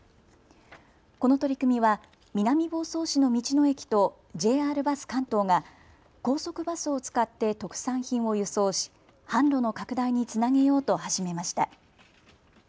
この取り組みは南房総市の道の駅とＪＲバス関東が高速バスを使って特産品を輸送し販路の拡大につなげようと始めました。